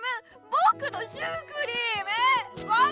ぼくのシュークリーム！